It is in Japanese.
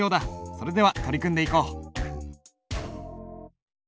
それでは取り組んでいこう。